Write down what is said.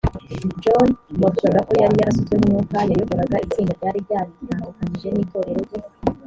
jones wavugaga ko yari yarasutsweho umwuka yayoboraga itsinda ryari ryaritandukanyije n itorero ry i